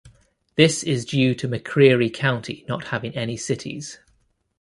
This is due to McCreary County not having any cities.